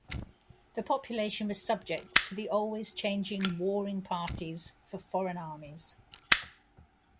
The population was subject to the always changing warring parties for foreign armies.